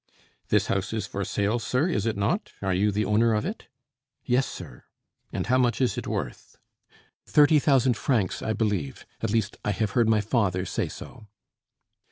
"This house is for sale, sir, is it not? Are you the owner of it?" "Yes, sir." "And how much is it worth?" "Thirty thousand francs, I believe; at least I have heard my father say so."